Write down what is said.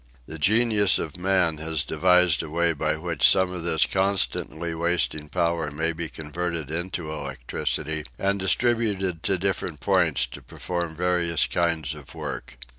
The genius of man has devised a way by which some of this constantly wasting energy may be converted into electricity and distributed to different points to perform various kinds of work.